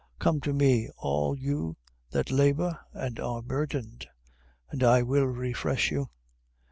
11:28. Come to me all you that labor and are burdened, and I will refresh you.